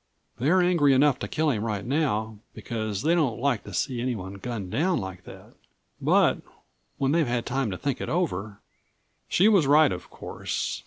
"They're angry enough to kill him right now, because they don't like to see anyone gunned down like that. But when they've had time to think it over " She was right, of course.